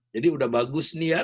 jadi udah bagus niat